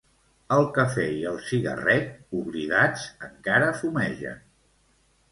El cafè i el cigarret, oblidats, encara fumegen.